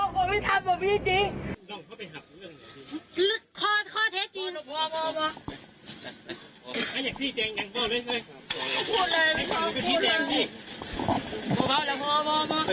เขาก็จริงนะครับ